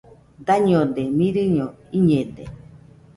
Dañode, mirɨño iñede.